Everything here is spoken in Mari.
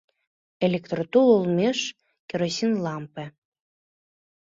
Электротул олмеш — керосин лампе.